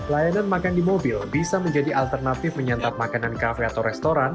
layanan makan di mobil bisa menjadi alternatif menyantap makanan kafe atau restoran